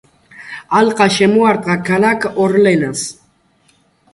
ალყა შემოარტყა ქალაქ ორლეანს.